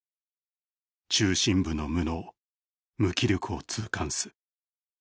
中心部の無能、無気力を痛感す。